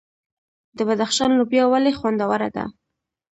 د بدخشان لوبیا ولې خوندوره ده؟